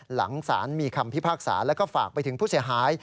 หลังสารมีคำพิพากษาแล้วก็ฝากไปถึงผู้เสียหาย